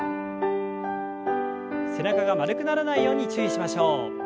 背中が丸くならないように注意しましょう。